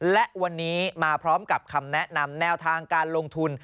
และวันนี้มาพร้อมกับคำแนะนำแนวทางการลงทุน